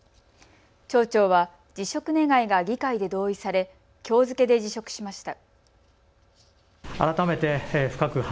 町長は辞職願いが議会で同意されきょう付けで辞職しました。